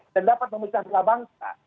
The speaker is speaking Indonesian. dan dapat memecahkan setelah bangsa